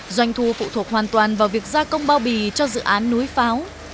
doanh thu phụ thuộc hoàn toàn vào việc gia công bao bì cho dự án núi pháo